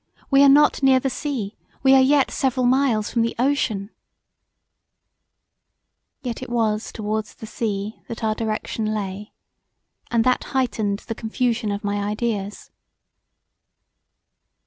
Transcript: We are not near the sea; we are yet several miles from the ocean" Yet it was towards the sea that our direction lay and that heightened the confusion of my ideas.